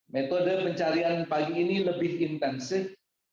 metode pencarian pagi ini lebih intensif